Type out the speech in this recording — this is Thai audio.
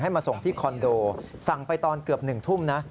มาส่งที่คอนโดสั่งไปตอนเกือบ๑ทุ่มนะ